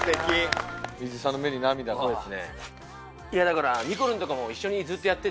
だからにこるんとかも一緒にずっとやってて。